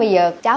hầu hết bà ạ